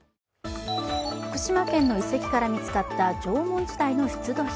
福島県の遺跡から見つかった縄文時代の出土品。